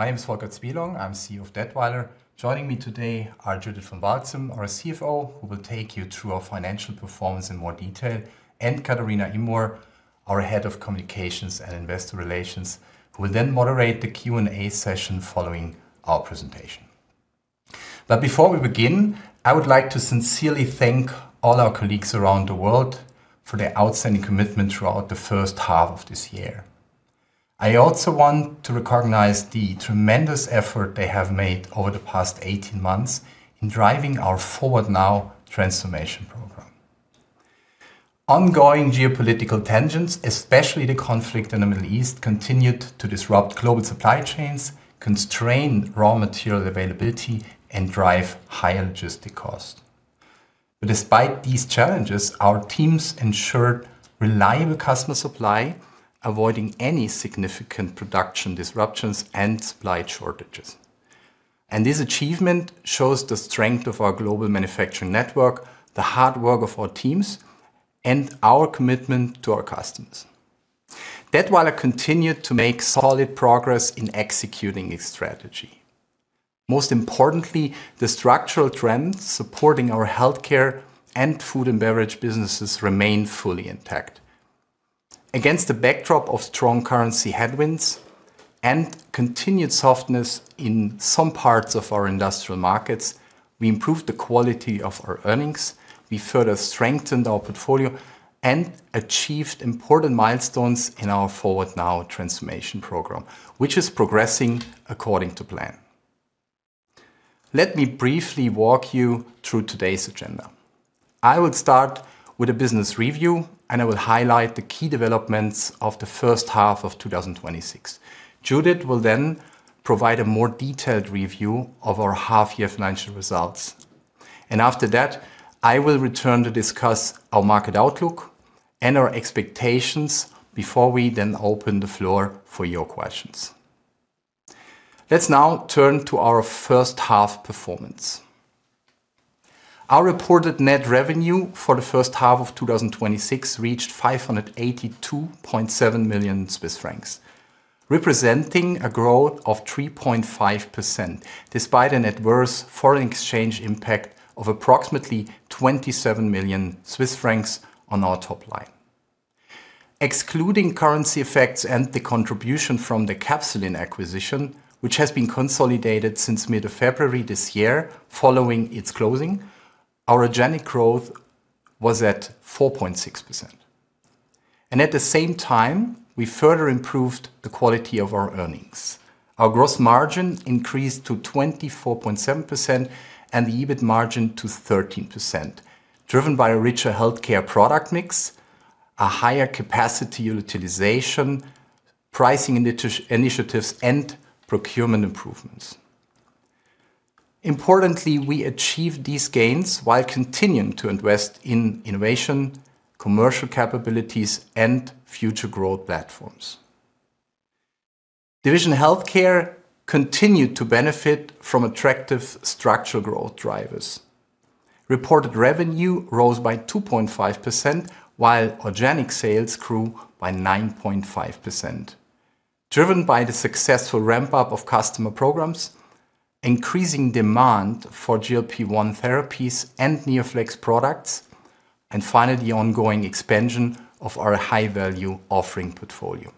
My name is Volker Cwielong. I'm CEO of Dätwyler. Joining me today are Judith van Walsum, our CFO, who will take you through our financial performance in more detail, and Katharina Immoor, our Head of Communications and Investor Relations, who will then moderate the Q&A session following our presentation. Before we begin, I would like to sincerely thank all our colleagues around the world for their outstanding commitment throughout the first half of this year. I also want to recognize the tremendous effort they have made over the past 18 months in driving our Forward Now transformation program. Ongoing geopolitical tensions, especially the conflict in the Middle East, continued to disrupt global supply chains, constrain raw material availability, and drive higher logistic cost. Despite these challenges, our teams ensured reliable customer supply, avoiding any significant production disruptions and supply shortages. This achievement shows the strength of our global manufacturing network, the hard work of our teams, and our commitment to our customers. Dätwyler continued to make solid progress in executing its strategy. Most importantly, the structural trends supporting our Healthcare and Food & Beverage businesses remain fully intact. Against the backdrop of strong currency headwinds and continued softness in some parts of our industrial markets, we improved the quality of our earnings, we further strengthened our portfolio, and achieved important milestones in our Forward Now transformation program, which is progressing according to plan. Let me briefly walk you through today's agenda. I will start with a business review, and I will highlight the key developments of the first half of 2026. Judith will then provide a more detailed review of our half-year financial results. After that, I will return to discuss our market outlook and our expectations before we open the floor for your questions. Let's now turn to our first half performance. Our reported net revenue for the first half of 2026 reached 582.7 million Swiss francs, representing a growth of 3.5%, despite an adverse foreign exchange impact of approximately 27 million Swiss francs on our top line. Excluding currency effects and the contribution from the Capsul'in acquisition, which has been consolidated since mid of February this year following its closing, our organic growth was at 4.6%. At the same time, we further improved the quality of our earnings. Our gross margin increased to 24.7% and the EBIT margin to 13%, driven by a richer Healthcare product mix, a higher capacity utilization, pricing initiatives, and procurement improvements. Importantly, we achieved these gains while continuing to invest in innovation, commercial capabilities, and future growth platforms. Division Healthcare continued to benefit from attractive structural growth drivers. Reported revenue rose by 2.5%, while organic sales grew by 9.5%, driven by the successful ramp-up of customer programs, increasing demand for GLP-1 therapies and NeoFlex products, and finally, the ongoing expansion of our high-value offering portfolio.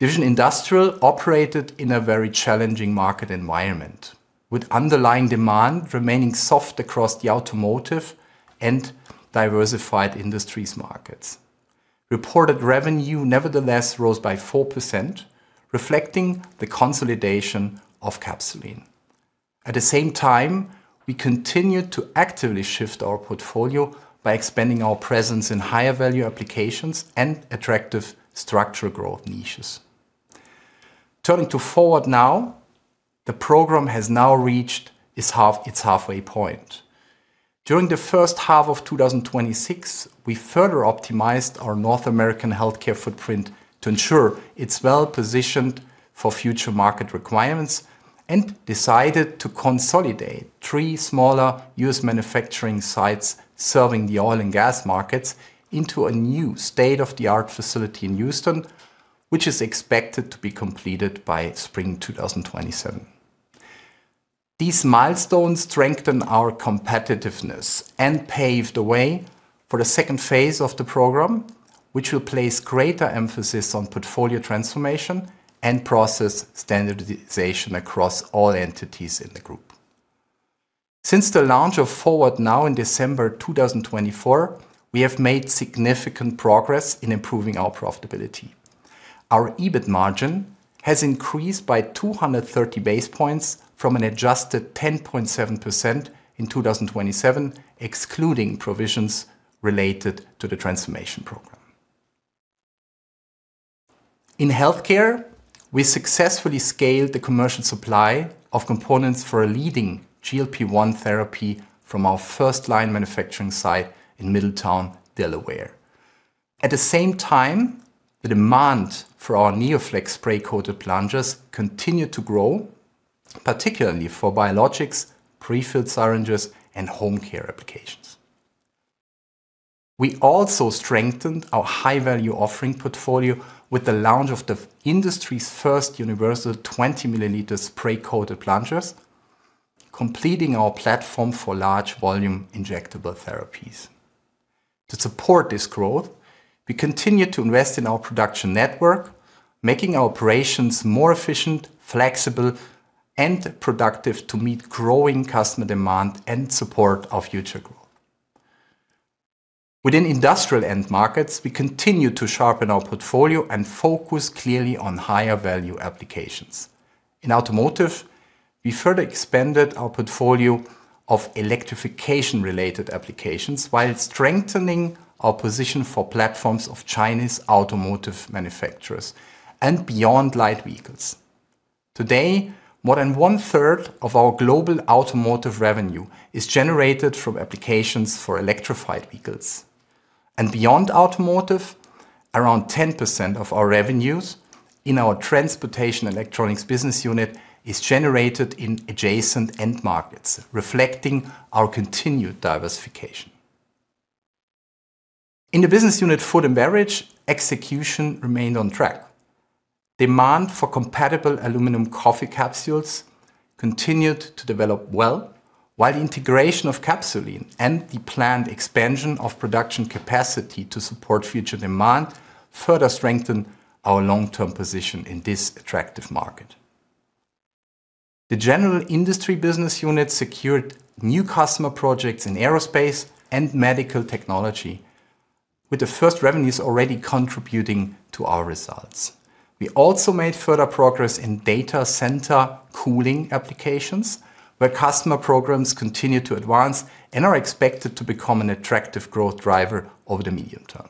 Division Industrial operated in a very challenging market environment, with underlying demand remaining soft across the automotive and diversified industries markets. Reported revenue nevertheless rose by 4%, reflecting the consolidation of Capsul'in. At the same time, we continued to actively shift our portfolio by expanding our presence in higher-value applications and attractive structural growth niches. Turning to Forward Now, the program has now reached its halfway point. During the first half of 2026, we further optimized our North American healthcare footprint to ensure it's well-positioned for future market requirements and decided to consolidate three smaller U.S. manufacturing sites serving the oil and gas markets into a new state-of-the-art facility in Houston, which is expected to be completed by spring 2027. These milestones strengthen our competitiveness and pave the way for the second phase of the program, which will place greater emphasis on portfolio transformation and process standardization across all entities in the group. Since the launch of Forward Now in December 2024, we have made significant progress in improving our profitability. Our EBIT margin has increased by 230 base points from an adjusted 10.7% in 2027, excluding provisions related to the transformation program. In healthcare, we successfully scaled the commercial supply of components for a leading GLP-1 therapy from our first-line manufacturing site in Middletown, Delaware. At the same time, the demand for our NeoFlex spray-coated plungers continued to grow, particularly for biologics, prefilled syringes, and home care applications. We also strengthened our high-value offering portfolio with the launch of the industry's first Universal 20 mL spray-coated plungers, completing our platform for large volume injectable therapies. To support this growth, we continue to invest in our production network, making our operations more efficient, flexible, and productive to meet growing customer demand and support our future growth. Within industrial end markets, we continue to sharpen our portfolio and focus clearly on higher value applications. In automotive, we further expanded our portfolio of electrification-related applications while strengthening our position for platforms of Chinese automotive manufacturers and beyond light vehicles. Today, more than one-third of our global automotive revenue is generated from applications for electrified vehicles. Beyond automotive, around 10% of our revenues in our Transportation & Electronics business unit is generated in adjacent end markets, reflecting our continued diversification. In the business unit Food & Beverage, execution remained on track. Demand for compatible aluminum coffee capsules continued to develop well, while the integration of Capsul'in and the planned expansion of production capacity to support future demand further strengthen our long-term position in this attractive market. The General Industry business unit secured new customer projects in aerospace and medical technology, with the first revenues already contributing to our results. We also made further progress in data center cooling applications, where customer programs continue to advance and are expected to become an attractive growth driver over the medium term.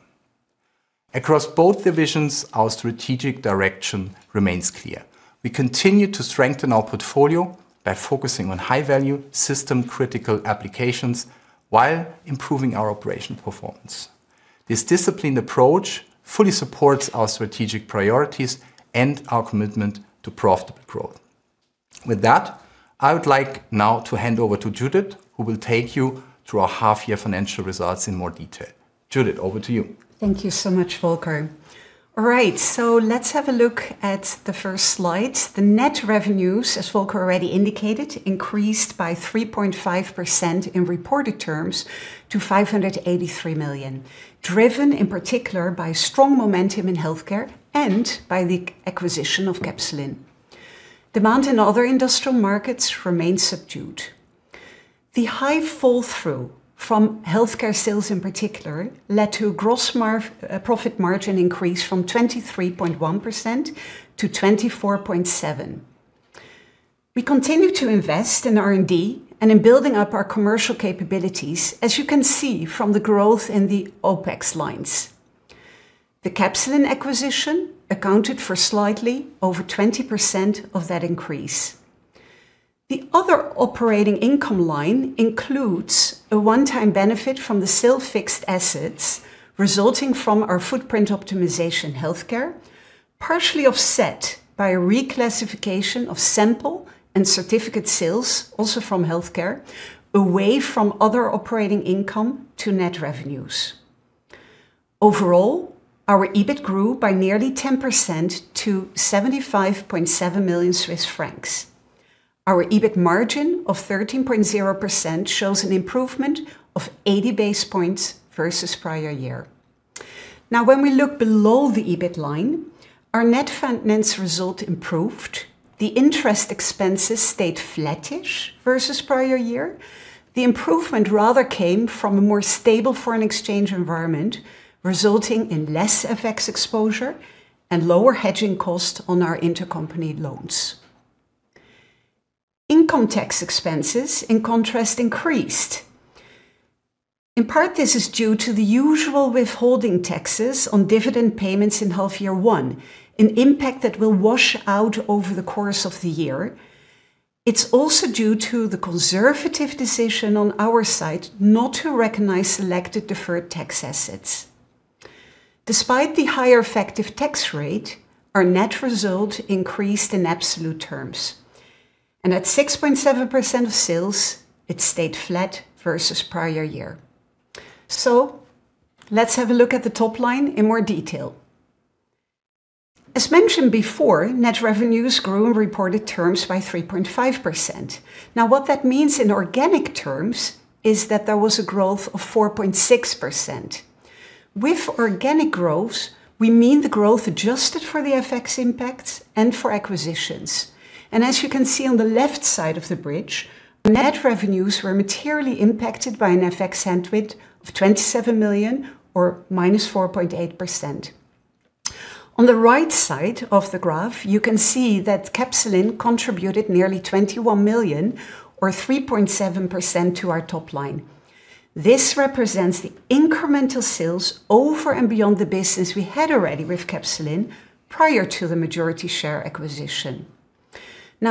Across both divisions, our strategic direction remains clear. We continue to strengthen our portfolio by focusing on high-value, system critical applications while improving our operational performance. This disciplined approach fully supports our strategic priorities and our commitment to profitable growth. With that, I would like now to hand over to Judith, who will take you through our half year financial results in more detail. Judith, over to you. Thank you so much, Volker. All right, let's have a look at the first slide. The net revenues, as Volker already indicated, increased by 3.5% in reported terms to 583 million, driven in particular by strong momentum in healthcare and by the acquisition of Capsul'in. Demand in other industrial markets remains subdued. The high fall-through from healthcare sales, in particular, led to gross profit margin increase from 23.1%-24.7%. We continue to invest in R&D and in building up our commercial capabilities, as you can see from the growth in the OpEx lines. The Capsul'in acquisition accounted for slightly over 20% of that increase. The other operating income line includes a one-time benefit from the sale of fixed assets resulting from our footprint optimization healthcare, partially offset by a reclassification of sample and certificate sales, also from healthcare, away from other operating income to net revenues. Overall, our EBIT grew by nearly 10% to 75.7 million Swiss francs. Our EBIT margin of 13.0% shows an improvement of 80 basis points versus prior year. When we look below the EBIT line, our net finance result improved. The interest expenses stayed flattish versus prior year. The improvement rather came from a more stable foreign exchange environment, resulting in less FX exposure and lower hedging costs on our intercompany loans. Income tax expenses, in contrast, increased. In part, this is due to the usual withholding taxes on dividend payments in half year one, an impact that will wash out over the course of the year. It's also due to the conservative decision on our side not to recognize selected deferred tax assets. Despite the higher effective tax rate, our net result increased in absolute terms. At 6.7% of sales, it stayed flat versus prior year. Let's have a look at the top line in more detail. As mentioned before, net revenues grew in reported terms by 3.5%. What that means in organic terms is that there was a growth of 4.6%. With organic growth, we mean the growth adjusted for the FX impacts and for acquisitions. As you can see on the left side of the bridge, net revenues were materially impacted by an FX headwind of 27 million or -4.8%. On the right side of the graph, you can see that Capsul'in contributed nearly 21 million or 3.7% to our top line. This represents the incremental sales over and beyond the business we had already with Capsul'in prior to the majority share acquisition.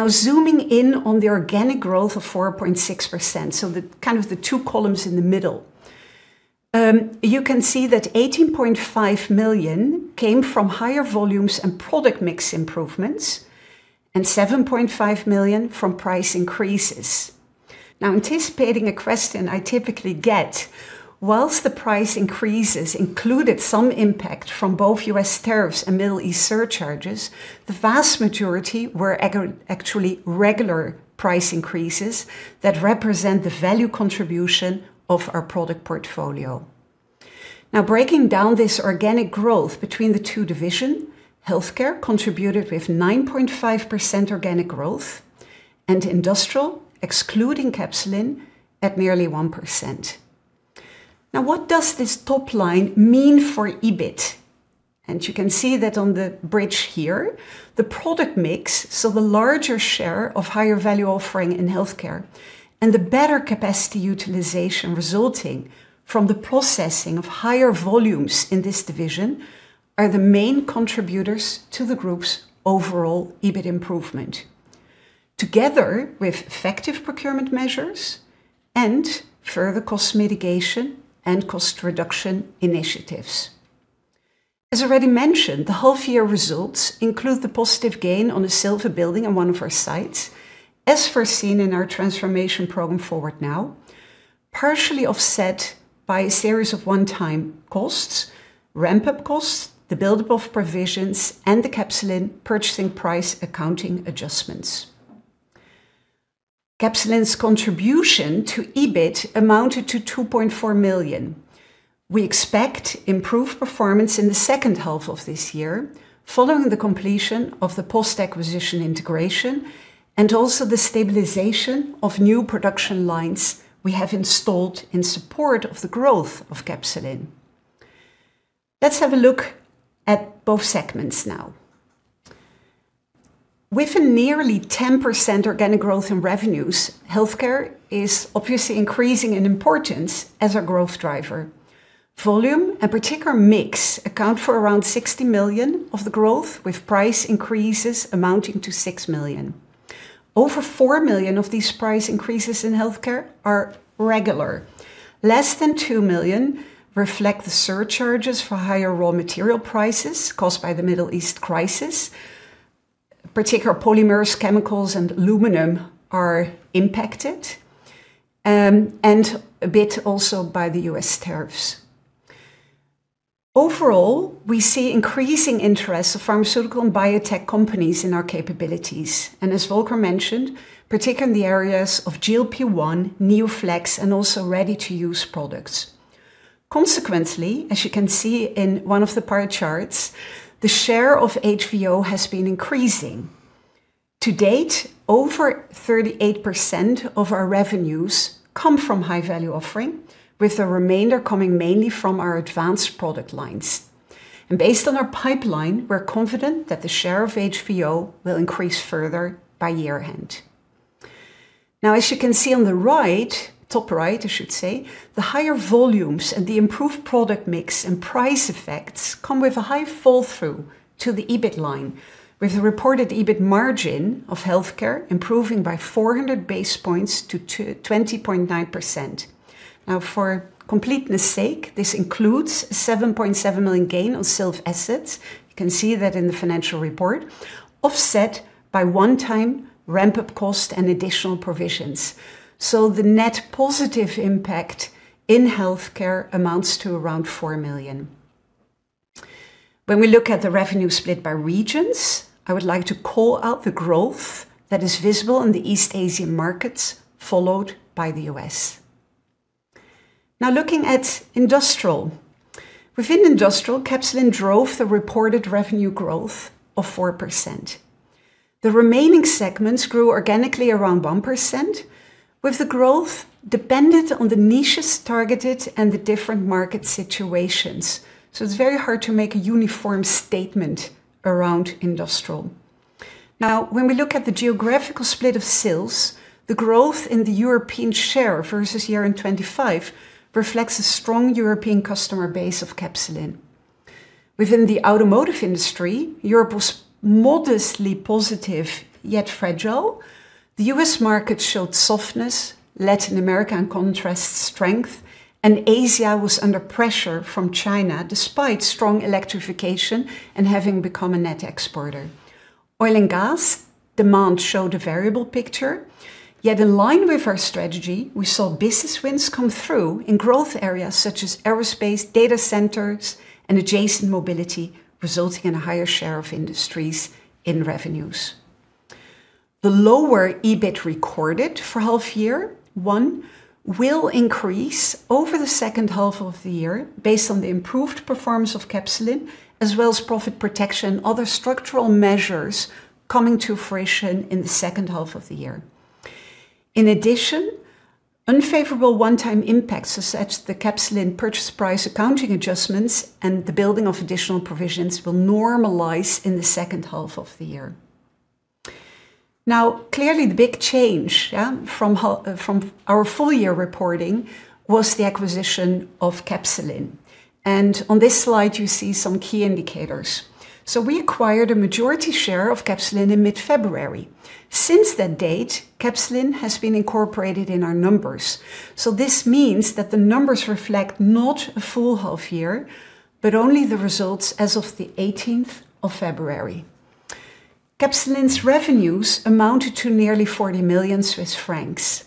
Zooming in on the organic growth of 4.6%, the two columns in the middle. You can see that 18.5 million came from higher volumes and product mix improvements. 7.5 million from price increases. Anticipating a question I typically get, whilst the price increases included some impact from both U.S. tariffs and Middle East surcharges, the vast majority were actually regular price increases that represent the value contribution of our product portfolio. Breaking down this organic growth between the two divisions, healthcare contributed with 9.5% organic growth and industrial, excluding Capsul'in, at merely 1%. What does this top line mean for EBIT? You can see that on the bridge here, the product mix, so the larger share of high value offering in Healthcare and the better capacity utilization resulting from the processing of higher volumes in this division, are the main contributors to the group's overall EBIT improvement, together with effective procurement measures and further cost mitigation and cost reduction initiatives. As already mentioned, the half year results include the positive gain on the sale of a building on one of our sites, as foreseen in our transformation program Forward Now, partially offset by a series of one-time costs, ramp-up costs, the build-up of provisions, and the Capsul'in purchasing price accounting adjustments. Capsul'in's contribution to EBIT amounted to 2.4 million. We expect improved performance in the second half of this year, following the completion of the post-acquisition integration and also the stabilization of new production lines we have installed in support of the growth of Capsul'in. Let's have a look at both segments now. With a nearly 10% organic growth in revenues, Healthcare is obviously increasing in importance as a growth driver. Volume, and particular mix, account for around 16 million of the growth, with price increases amounting to 6 million. Over 4 million of these price increases in Healthcare are regular. Less than 2 million reflect the surcharges for higher raw material prices caused by the Middle East crisis. Particular polymers, chemicals, and aluminum are impacted, and a bit also by the U.S. tariffs. Overall, we see increasing interest of pharmaceutical and biotech companies in our capabilities, and as Volker mentioned, particularly in the areas of GLP-1, NeoFlex, and also ready-to-use products. Consequently, as you can see in one of the prior charts, the share of HVO has been increasing. To date, over 38% of our revenues come from high value offering, with the remainder coming mainly from our advanced product lines. Based on our pipeline, we're confident that the share of HVO will increase further by year-end. As you can see on the right, top right, I should say, the higher volumes and the improved product mix and price effects come with a high fall-through to the EBIT line, with a reported EBIT margin of Healthcare improving by 400 basis points to 20.9%. For completeness sake, this includes a 7.7 million gain on sale of assets, you can see that in the financial report, offset by one-time ramp-up cost and additional provisions. The net positive impact in Healthcare amounts to around 4 million. When we look at the revenue split by regions, I would like to call out the growth that is visible in the East Asian markets, followed by the U.S. Looking at Industrial. Within Industrial, Capsul'in drove the reported revenue growth of 4%. The remaining segments grew organically around 1%, with the growth dependent on the niches targeted and the different market situations. It's very hard to make a uniform statement around Industrial. When we look at the geographical split of sales, the growth in the European share versus year-end 2025 reflects a strong European customer base of Capsul'in. Within the automotive industry, Europe was modestly positive, yet fragile. The U.S. market showed softness, Latin America in contrast, strength, and Asia was under pressure from China despite strong electrification and having become a net exporter. Oil and gas demand showed a variable picture. Yet in line with our strategy, we saw business wins come through in growth areas such as aerospace, data centers, and adjacent mobility, resulting in a higher share of industries in revenues. The lower EBIT recorded for half year one will increase over the second half of the year based on the improved performance of Capsul'in, as well as profit protection and other structural measures coming to fruition in the second half of the year. In addition, unfavorable one-time impacts, such as the Capsul'in purchase price accounting adjustments and the building of additional provisions, will normalize in the second half of the year. Clearly, the big change from our full year reporting was the acquisition of Capsul'in. On this slide, you see some key indicators. We acquired a majority share of Capsul'in in mid-February. Since that date, Capsul'in has been incorporated in our numbers. This means that the numbers reflect not a full half year, but only the results as of the 18th of February. Capsul'in's revenues amounted to nearly 40 million Swiss francs.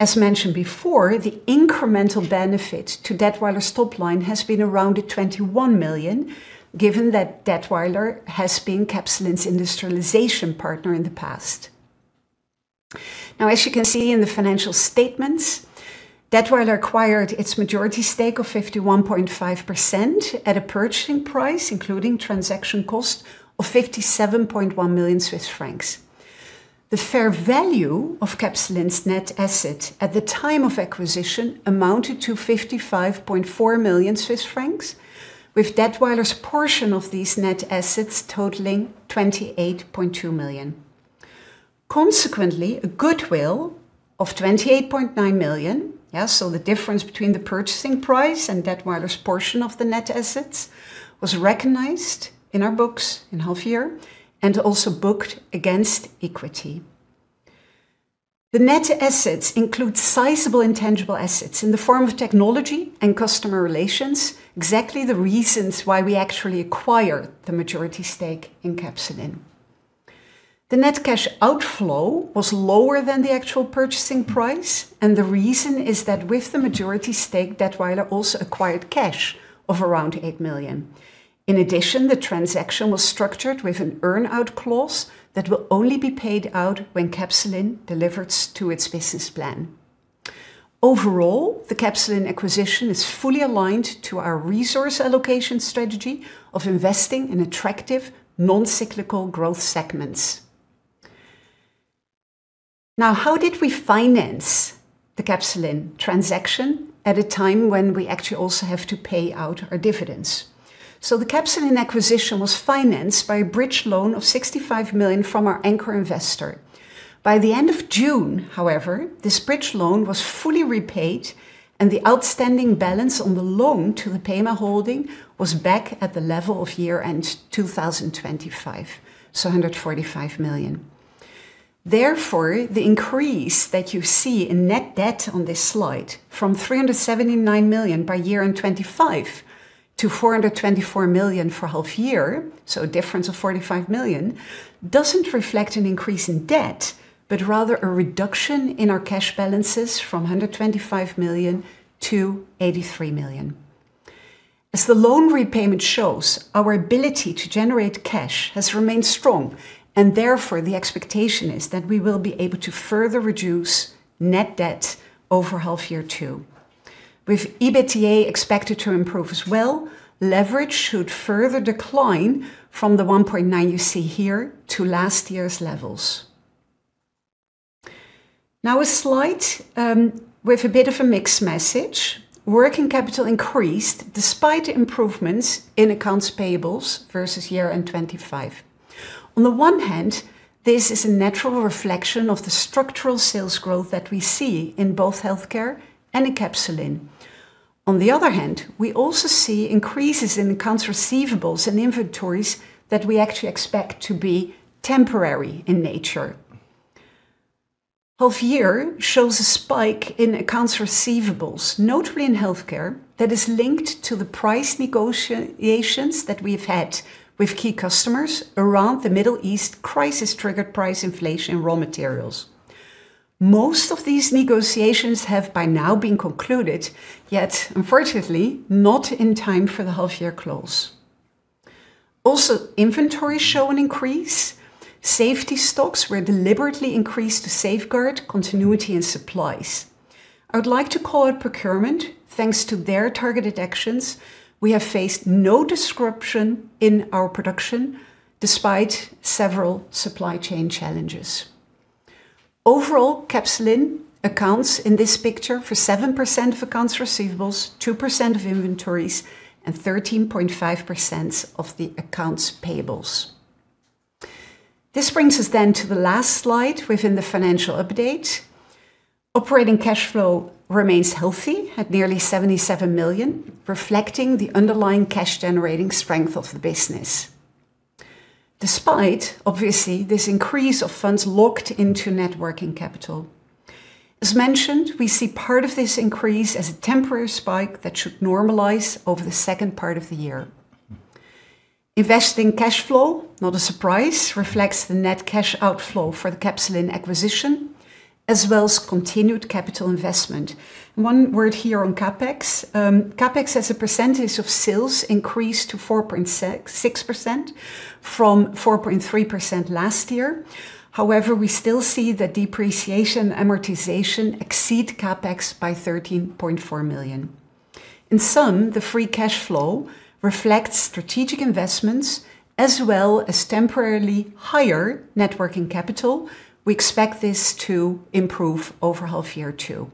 As mentioned before, the incremental benefit to Dätwyler's top line has been around 21 million, given that Dätwyler has been Capsul'in's industrialization partner in the past. As you can see in the financial statements, Dätwyler acquired its majority stake of 51.5% at a purchasing price, including transaction cost, of 57.1 million Swiss francs. The fair value of Capsul'in's net assets at the time of acquisition amounted to 55.4 million Swiss francs, with Dätwyler's portion of these net assets totaling 28.2 million. Consequently, a goodwill of 28.9 million, the difference between the purchasing price and Dätwyler's portion of the net assets, was recognized in our books in half year and also booked against equity. The net assets include sizable intangible assets in the form of technology and customer relations, exactly the reasons why we actually acquired the majority stake in Capsul'in. The net cash outflow was lower than the actual purchasing price, and the reason is that with the majority stake, Dätwyler also acquired cash of around 8 million. In addition, the transaction was structured with an earn-out clause that will only be paid out when Capsul'in delivers to its business plan. Overall, the Capsul'in acquisition is fully aligned to our resource allocation strategy of investing in attractive non-cyclical growth segments. How did we finance the Capsul'in transaction at a time when we actually also have to pay out our dividends? The Capsul'in acquisition was financed by a bridge loan of 65 million from our anchor investor. By the end of June, however, this bridge loan was fully repaid, and the outstanding balance on the loan to the Pema Holding was back at the level of year-end 2025, 145 million. Therefore, the increase that you see in net debt on this slide from 379 million by year-end 2025 to 424 million for half year, a difference of 45 million, doesn't reflect an increase in debt, but rather a reduction in our cash balances from 125 million-83 million. As the loan repayment shows, our ability to generate cash has remained strong, and therefore, the expectation is that we will be able to further reduce net debt over half year 2. With EBITDA expected to improve as well, leverage should further decline from the 1.9x you see here to last year's levels. Now, a slide with a bit of a mixed message. Working capital increased despite improvements in accounts payables versus year-end 2025. On the one hand, this is a natural reflection of the structural sales growth that we see in both Healthcare and in Capsul'in. On the other hand, we also see increases in accounts receivables and inventories that we actually expect to be temporary in nature. Half year shows a spike in accounts receivables, notably in Healthcare, that is linked to the price negotiations that we've had with key customers around the Middle East crisis-triggered price inflation in raw materials. Most of these negotiations have by now been concluded, yet unfortunately, not in time for the half year close. Also, inventories show an increase. Safety stocks were deliberately increased to safeguard continuity in supplies. I would like to call out procurement. Thanks to their targeted actions, we have faced no disruption in our production despite several supply chain challenges. Overall, Capsul'in accounts in this picture for 7% of accounts receivables, 2% of inventories, and 13.5% of the accounts payables. This brings us then to the last slide within the financial update. Operating cash flow remains healthy at nearly 77 million, reflecting the underlying cash-generating strength of the business. Despite, obviously, this increase of funds locked into net working capital. As mentioned, we see part of this increase as a temporary spike that should normalize over the second part of the year. Investing cash flow, not a surprise, reflects the net cash outflow for the Capsul'in acquisition, as well as continued capital investment. One word here on CapEx. CapEx, as a percentage of sales, increased to 4.6% from 4.3% last year. However, we still see that depreciation and amortization exceed CapEx by 13.4 million. In sum, the free cash flow reflects strategic investments as well as temporarily higher net working capital. We expect this to improve over half year 2.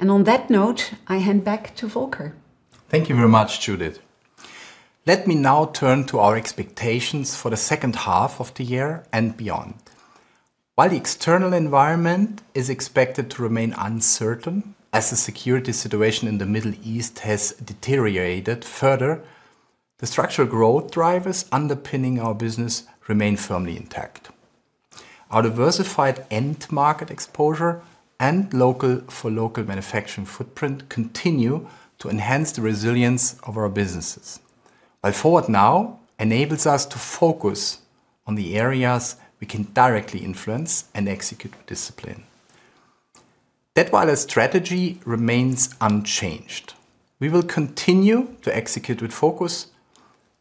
On that note, I hand back to Volker. Thank you very much, Judith. Let me now turn to our expectations for the second half of the year and beyond. While the external environment is expected to remain uncertain as the security situation in the Middle East has deteriorated further. The structural growth drivers underpinning our business remain firmly intact. Our diversified end-market exposure and local-for-local manufacturing footprint continue to enhance the resilience of our businesses, while Forward Now enables us to focus on the areas we can directly influence and execute with discipline. Dätwyler's strategy remains unchanged. We will continue to execute with focus,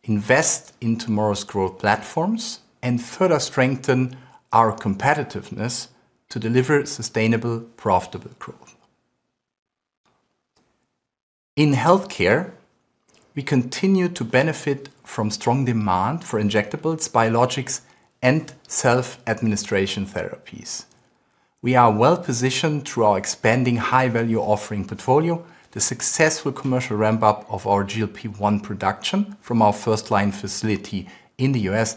invest in tomorrow's growth platforms, and further strengthen our competitiveness to deliver sustainable, profitable growth. In Healthcare, we continue to benefit from strong demand for injectables, biologics, and self-administration therapies. We are well-positioned through our expanding high-value offering portfolio, the successful commercial ramp-up of our GLP-1 production from our first-line facility in the U.S.,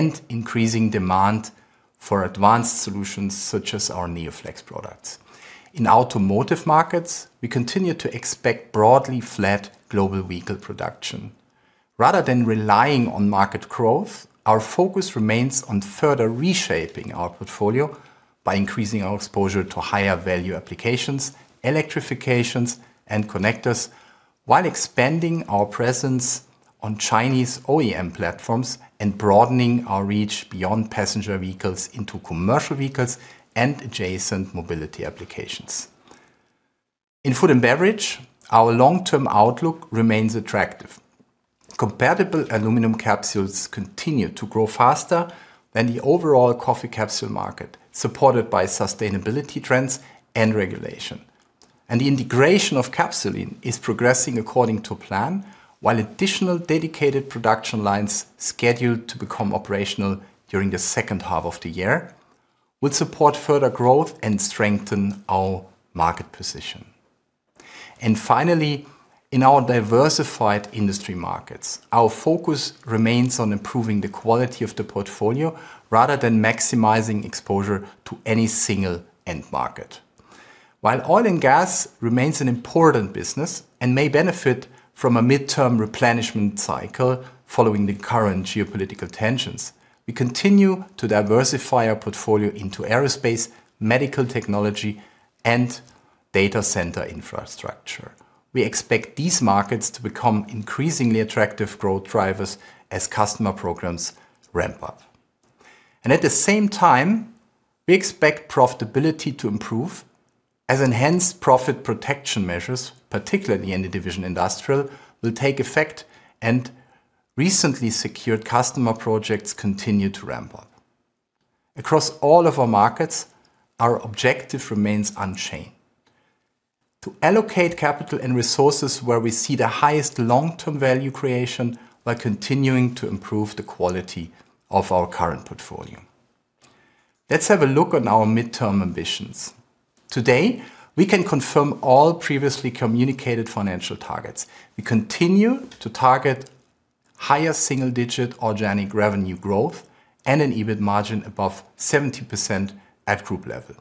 and increasing demand for advanced solutions such as our NeoFlex products. In automotive markets, we continue to expect broadly flat global vehicle production. Rather than relying on market growth, our focus remains on further reshaping our portfolio by increasing our exposure to higher-value applications, electrifications, and connectors, while expanding our presence on Chinese OEM platforms and broadening our reach beyond passenger vehicles into commercial vehicles and adjacent mobility applications. In food and beverage, our long-term outlook remains attractive. Compatible aluminum capsules continue to grow faster than the overall coffee capsule market, supported by sustainability trends and regulation. The integration of Capsul'in is progressing according to plan, while additional dedicated production lines scheduled to become operational during the second half of the year will support further growth and strengthen our market position. Finally, in our diversified industry markets, our focus remains on improving the quality of the portfolio rather than maximizing exposure to any single end market. While oil and gas remains an important business and may benefit from a midterm replenishment cycle following the current geopolitical tensions, we continue to diversify our portfolio into aerospace, medical technology, and data center infrastructure. We expect these markets to become increasingly attractive growth drivers as customer programs ramp up. At the same time, we expect profitability to improve as enhanced profit protection measures, particularly in the division Industrial, will take effect and recently secured customer projects continue to ramp up. Across all of our markets, our objective remains unchanged: to allocate capital and resources where we see the highest long-term value creation while continuing to improve the quality of our current portfolio. Let's have a look at our midterm ambitions. Today, we can confirm all previously communicated financial targets. We continue to target higher single-digit organic revenue growth and an EBIT margin above 17% at group level.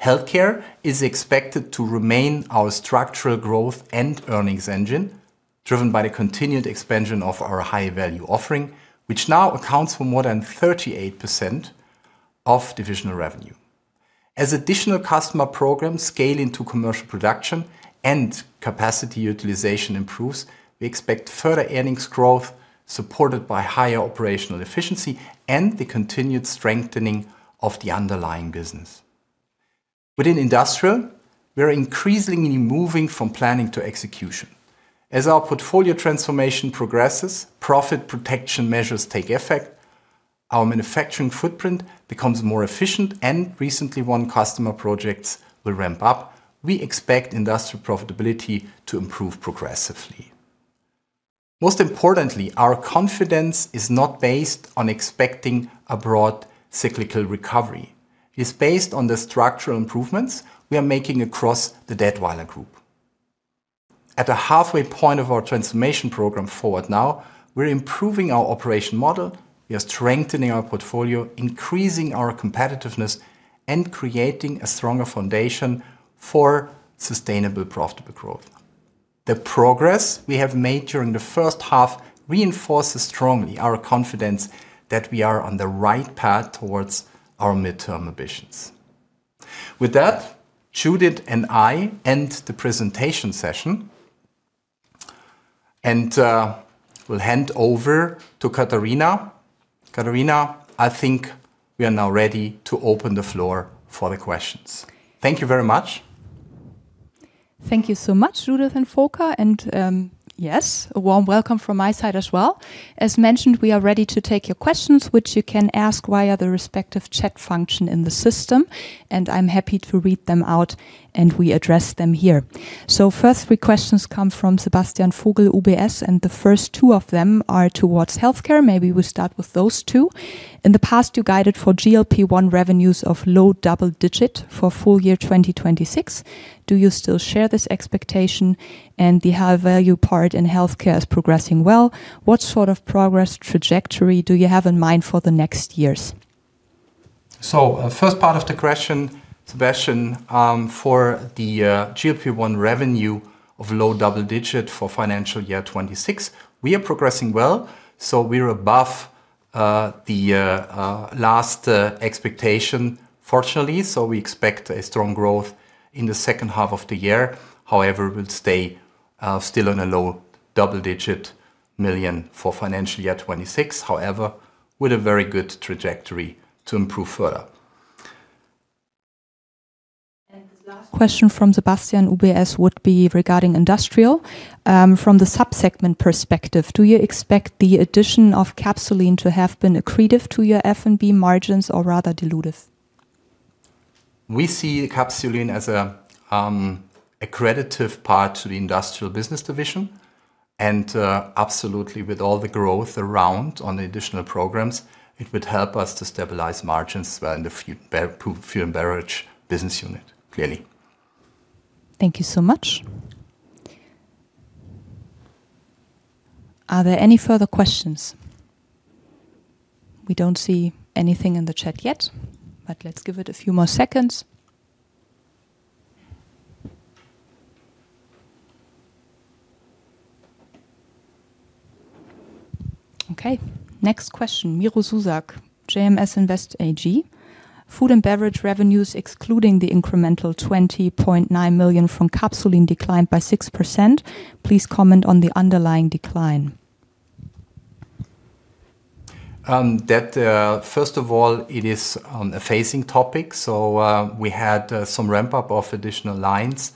Healthcare is expected to remain our structural growth and earnings engine, driven by the continued expansion of our high-value offering, which now accounts for more than 38% of divisional revenue. As additional customer programs scale into commercial production and capacity utilization improves, we expect further earnings growth supported by higher operational efficiency and the continued strengthening of the underlying business. Within Industrial, we are increasingly moving from planning to execution. As our portfolio transformation progresses, profit protection measures take effect, our manufacturing footprint becomes more efficient, and recently won customer projects will ramp up. We expect Industrial profitability to improve progressively. Most importantly, our confidence is not based on expecting a broad cyclical recovery. It is based on the structural improvements we are making across the Dätwyler Group. At the halfway point of our transformation program, Forward Now, we're improving our operation model, we are strengthening our portfolio, increasing our competitiveness, and creating a stronger foundation for sustainable, profitable growth. The progress we have made during the first half reinforces strongly our confidence that we are on the right path towards our midterm ambitions. With that, Judith and I end the presentation session and will hand over to Katharina. Katharina, I think we are now ready to open the floor for the questions. Thank you very much. Thank you so much, Judith and Volker. Yes, a warm welcome from my side as well. As mentioned, we are ready to take your questions, which you can ask via the respective chat function in the system, and I'm happy to read them out, and we address them here. First three questions come from Sebastian Vogel, UBS, and the first two of them are towards healthcare. Maybe we start with those two. In the past, you guided for GLP-1 revenues of low double digit for full year 2026. Do you still share this expectation? The high-value part in healthcare is progressing well. What sort of progress trajectory do you have in mind for the next years? First part of the question, Sebastian, for the GLP-1 revenue of low double digit for financial year 2026, we are progressing well. We are above the last expectation, fortunately. We expect a strong growth in the second half of the year. However, we'll stay still in a low double digit million for financial year 2026. However, with a very good trajectory to improve further. The last question from Sebastian, UBS, would be regarding industrial. From the sub-segment perspective, do you expect the addition of Capsul'in to have been accretive to your F&B margins or rather dilutive? We see Capsul'in as an accretive part to the industrial business division and absolutely with all the growth around on the additional programs, it would help us to stabilize margins as well in the Food & Beverage business unit, clearly. Thank you so much. Are there any further questions? We don't see anything in the chat yet, but let's give it a few more seconds. Next question. Miro Zuzak, JMS Invest AG. Food & Beverage revenues excluding the incremental 20.9 million from Capsul'in declined by 6%. Please comment on the underlying decline. First of all, it is a phasing topic. We had some ramp-up of additional lines.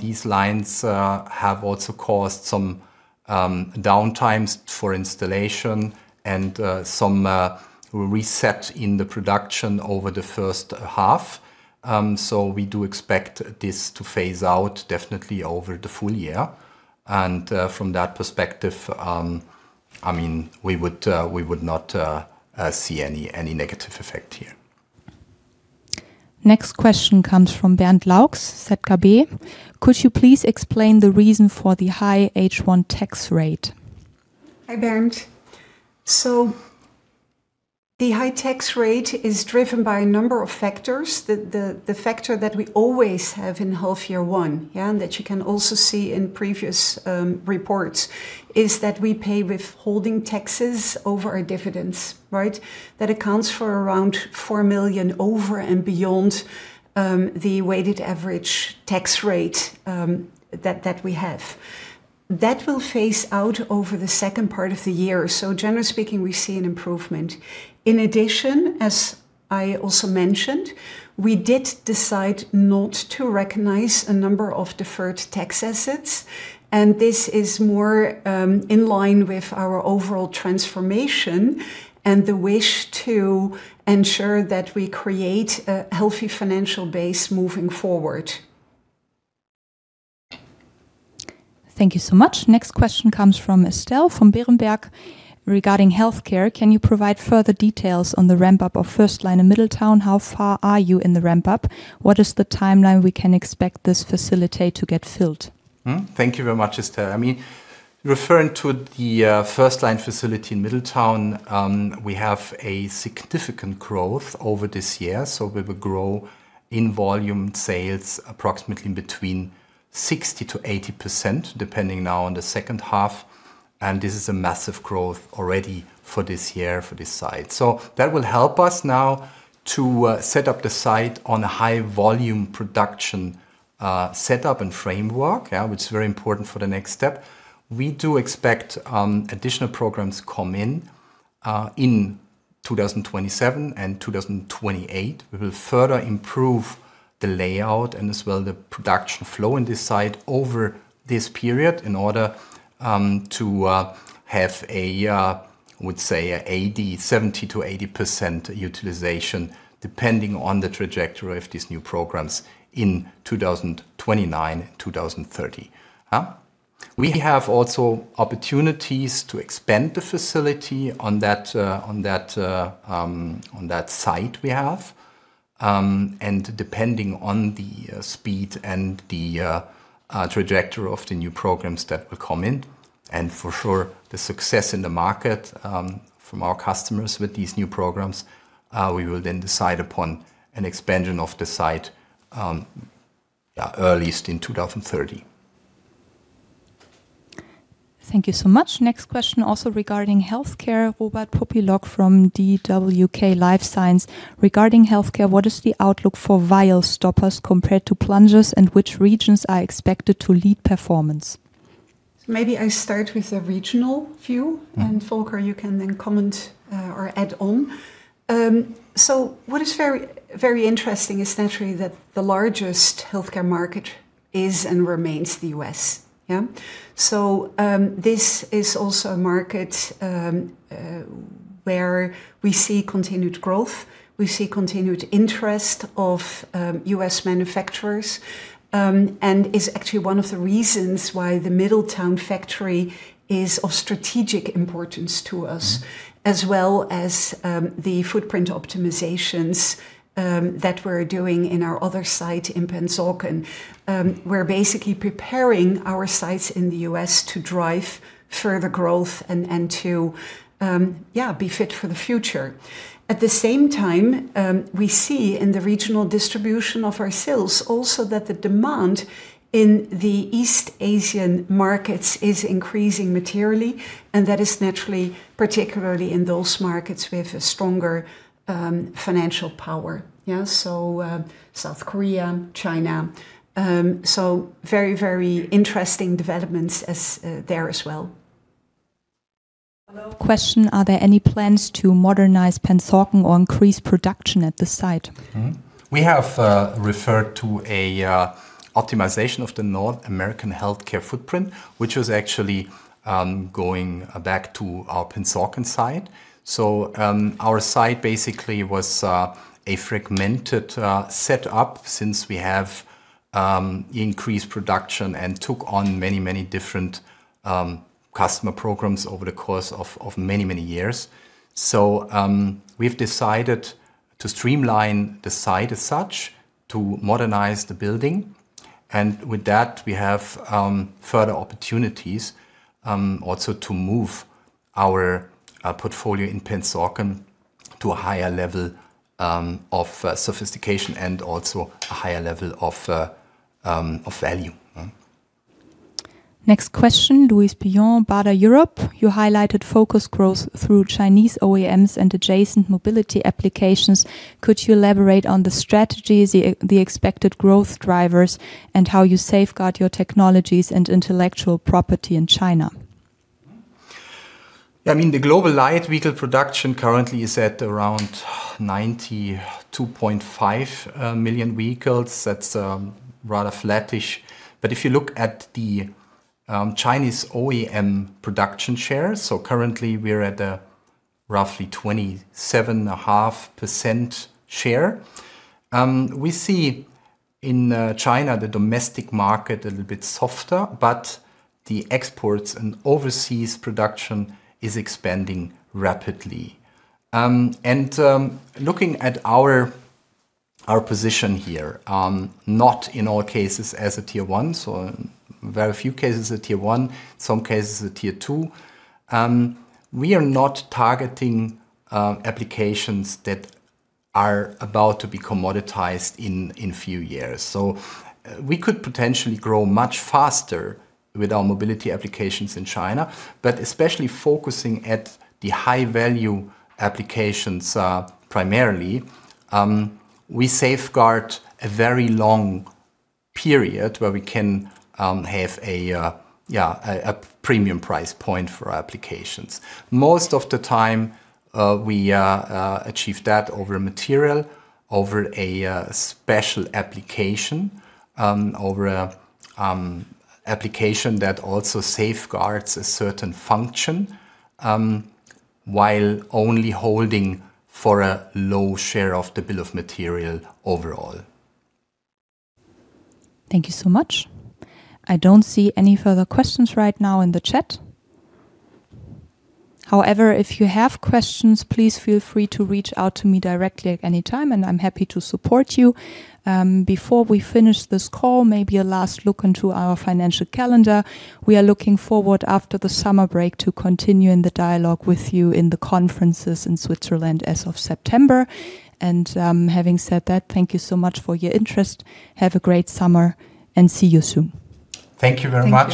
These lines have also caused some downtimes for installation and some reset in the production over the first half. We do expect this to phase out definitely over the full year. From that perspective, we would not see any negative effect here. Next question comes from Bernd Laux, DZ Bank. Could you please explain the reason for the high H1 tax rate? Hi, Bernd. The high tax rate is driven by a number of factors. The factor that we always have in half year one, and that you can also see in previous reports, is that we pay withholding taxes over our dividends, right? That accounts for around 4 million over and beyond the weighted average tax rate that we have. That will phase out over the second part of the year. Generally speaking, we see an improvement. In addition, as I also mentioned, we did decide not to recognize a number of deferred tax assets, and this is more in line with our overall transformation and the wish to ensure that we create a healthy financial base moving forward. Thank you so much. Next question comes from Estelle Kessler from Berenberg regarding healthcare. Can you provide further details on the ramp-up of first line in Middletown? How far are you in the ramp-up? What is the timeline we can expect this facility to get filled? Thank you very much, Estelle. Referring to the first line facility in Middletown, we have a significant growth over this year. We will grow in volume sales approximately between 60%-80%, depending now on the second half. This is a massive growth already for this year for this site. That will help us now to set up the site on a high volume production setup and framework. Which is very important for the next step. We do expect additional programs come in in 2027 and 2028. We will further improve the layout and as well the production flow in this site over this period in order to have a, I would say, a 70%-80% utilization depending on the trajectory of these new programs in 2029, 2030. We have also opportunities to expand the facility on that site we have. Depending on the speed and the trajectory of the new programs that will come in, and for sure the success in the market from our customers with these new programs, we will then decide upon an expansion of the site, earliest in 2030. Thank you so much. Next question also regarding healthcare. Robert Popilok from DWK Life Sciences. Regarding healthcare, what is the outlook for vial stoppers compared to plungers and which regions are expected to lead performance? Maybe I start with a regional view and Volker, you can then comment or add on. What is very interesting is naturally that the largest healthcare market is and remains the U.S. Yeah. This is also a market where we see continued growth, we see continued interest of U.S. manufacturers, and is actually one of the reasons why the Middletown factory is of strategic importance to us, as well as the footprint optimizations that we're doing in our other site in Pennsauken. We're basically preparing our sites in the U.S. to drive further growth and to be fit for the future. At the same time, we see in the regional distribution of our sales also that the demand in the East Asian markets is increasing materially, and that is naturally particularly in those markets with a stronger financial power. South Korea, China. Very interesting developments there as well. Hello. Question, are there any plans to modernize Pennsauken or increase production at this site? We have referred to a optimization of the North American healthcare footprint, which was actually going back to our Pennsauken site. Our site basically was a fragmented setup since we have increased production and took on many different customer programs over the course of many years. We've decided to streamline the site as such, to modernize the building, and with that, we have further opportunities, also to move our portfolio in Pennsauken to a higher level of sophistication and also a higher level of value. Next question, Louise Bjørn, Baader Europe. You highlighted focus growth through Chinese OEMs and adjacent mobility applications. Could you elaborate on the strategies, the expected growth drivers, and how you safeguard your technologies and intellectual property in China? The global light vehicle production currently is at around 92.5 million vehicles. That's rather flattish. If you look at the Chinese OEM production share, currently we're at a roughly 27.5% share. We see in China the domestic market a little bit softer, the exports and overseas production is expanding rapidly. Looking at our position here, not in all cases as a Tier 1, very few cases a Tier 1, some cases a Tier 2. We are not targeting applications that are about to be commoditized in few years. We could potentially grow much faster with our mobility applications in China, especially focusing at the high-value applications primarily, we safeguard a very long period where we can have a premium price point for our applications. Most of the time, we achieve that over a material, over a special application, over a application that also safeguards a certain function, while only holding for a low share of the bill of material overall. Thank you so much. I don't see any further questions right now in the chat. If you have questions, please feel free to reach out to me directly at any time and I'm happy to support you. Before we finish this call, maybe a last look into our financial calendar. We are looking forward after the summer break to continue in the dialogue with you in the conferences in Switzerland as of September. Having said that, thank you so much for your interest. Have a great summer and see you soon. Thank you very much.